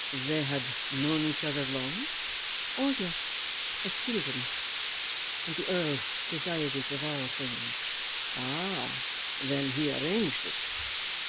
"They had known each other long?" "Oh, yes, as children. And the Earl desired it of all things." "Ah; then he arranged it."